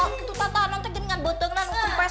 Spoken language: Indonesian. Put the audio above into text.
gitu ta ta nontek gini ngan boteng nan kempes